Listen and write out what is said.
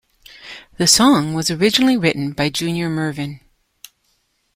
The song was originally written by Junior Murvin.